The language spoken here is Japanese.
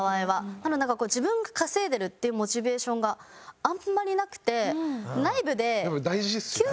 なので自分で稼いでるっていうモチベーションがあんまりなくて。